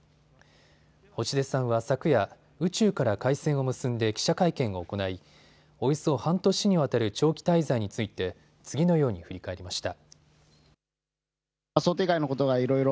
星出さんは昨夜、宇宙から回線を結んで記者会見を行いおよそ半年にわたる長期滞在について次のように振り返りました。